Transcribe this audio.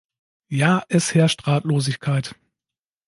Ja, es herrscht Ratlosigkeit.